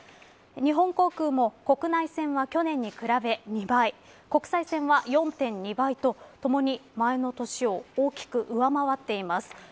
日本航空も国内線は去年に比べ２倍国際線は４．２倍とともに前の年を大きく上回っています。